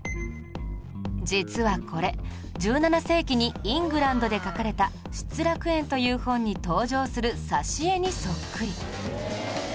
実はこれ１７世紀にイングランドで描かれた『失楽園』という本に登場する挿絵にそっくり